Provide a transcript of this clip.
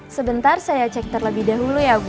sebentar saya cek terlebih dahulu ya bu